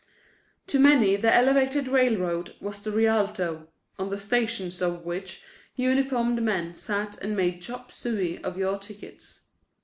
To many the elevated railroad was the Rialto, on the stations of which uniformed men sat and made chop suey of your tickets.